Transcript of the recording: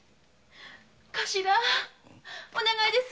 頭お願いです